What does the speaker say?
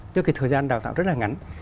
tức là cái thời gian đào tạo rất là ngắn